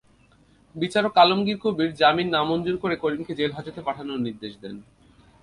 বিচারক আলমগীর কবির জামিন নামঞ্জুর করে করিমকে জেলহাজতে পাঠানোর নির্দেশ দেন।